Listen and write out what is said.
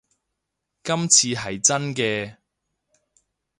今次係真嘅